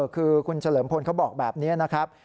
คือคุณเฉลิมพลเขาบอกแบบนี้นะครับ